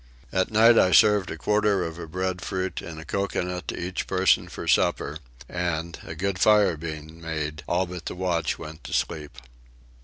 At night I served a quarter of a breadfruit and a coconut to each person for supper and, a good fire being made, all but the watch went to sleep.